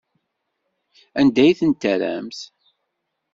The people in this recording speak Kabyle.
Anda ay ten-tɛerramt?